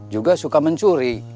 juga suka mencuri